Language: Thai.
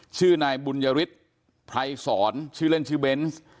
ชื่อนายบุญยฤทธิ์ไพรสอนชื่อเล่นชื่อเบนส์